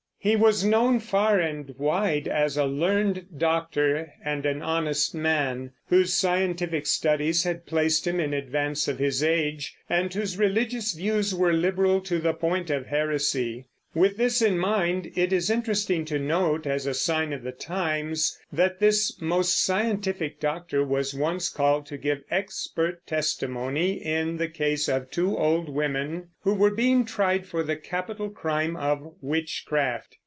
He was known far and wide as a learned doctor and an honest man, whose scientific studies had placed him in advance of his age, and whose religious views were liberal to the point of heresy. With this in mind, it is interesting to note, as a sign of the times, that this most scientific doctor was once called to give "expert" testimony in the case of two old women who were being tried for the capital crime of witchcraft.